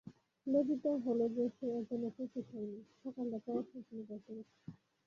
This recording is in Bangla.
লজ্জিত হল যে সে এজন্যে প্রস্তুত হয় নি– সকালটা প্রায় সম্পূর্ণ ব্যর্থ গেছে।